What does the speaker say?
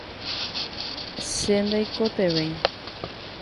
che naikotevẽi.